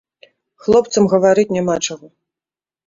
Хлопцам гаварыць няма чаго.